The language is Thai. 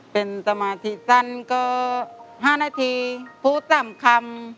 เป็นสมาธิสั้นก็๕นาทีพูด๓คำ